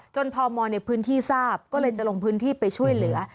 พมในพื้นที่ทราบก็เลยจะลงพื้นที่ไปช่วยเหลือ